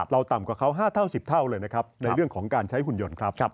ต่ำกว่าเขา๕เท่า๑๐เท่าเลยนะครับในเรื่องของการใช้หุ่นยนต์ครับ